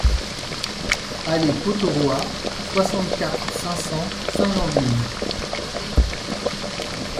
Allée Pottoroa, soixante-quatre, cinq cents Saint-Jean-de-Luz